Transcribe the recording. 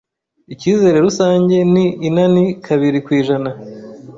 icyizere rusange ni inani kabiri kw’ijana